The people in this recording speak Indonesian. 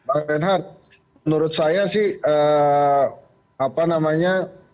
pak wamen hart menurut saya sih apa namanya